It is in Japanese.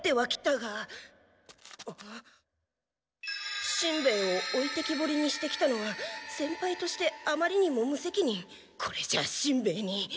がしんべヱを置いてきぼりにしてきたのは先輩としてあまりにも無責任これじゃしんべヱに。